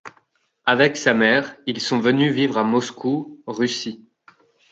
Avec sa mère, ils sont venus vivre à Moscou, Russie.